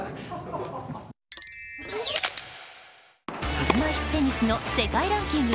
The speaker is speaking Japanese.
車いすテニスの世界ランキング